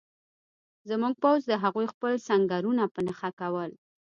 زموږ پوځ د هغوی خپل سنګرونه په نښه کول